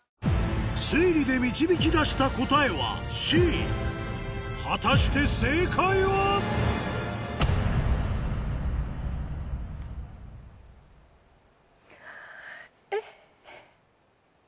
推理で導き出した答えはＣ果たして正解は⁉え。